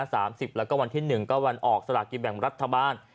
สามสิบแล้วก็วันที่หนึ่งก็วันออกสหกิมแห่งรัตนบาล